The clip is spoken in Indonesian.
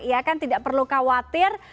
ya kan tidak perlu khawatir